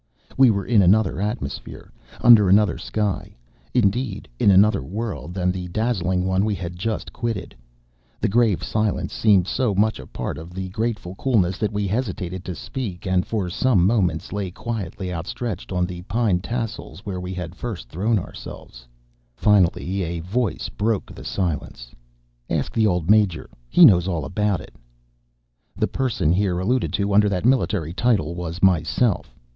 We were in another atmosphere, under another sky; indeed, in another world than the dazzling one we had just quitted. The grave silence seemed so much a part of the grateful coolness, that we hesitated to speak, and for some moments lay quietly outstretched on the pine tassels where we had first thrown ourselves. Finally, a voice broke the silence: "Ask the old Major; he knows all about it!" The person here alluded to under that military title was myself.